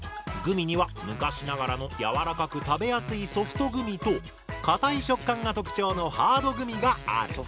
グミには昔ながらのやわらかく食べやすいソフトグミとかたい食感が特徴のハードグミがある。